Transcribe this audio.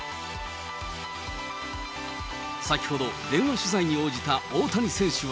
先ほど電話取材に応じた大谷選手は。